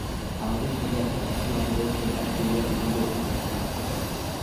ভারতের জন্য একটি ব্যাকুল আবেদন প্রকাশ করিয়া তিনি বক্তৃতার সমাপ্তি করেন।